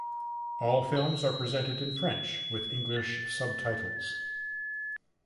All films are presented in French with English subtitles.